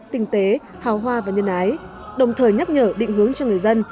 tinh tế hào hoa và nhân ái đồng thời nhắc nhở định hướng cho người dân